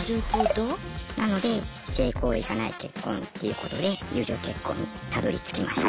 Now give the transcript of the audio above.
なので性行為がない結婚っていうことで友情結婚にたどりつきました。